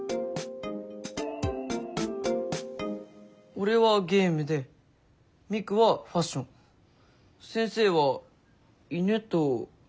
俺はゲームでミクはファッション先生は犬と文学。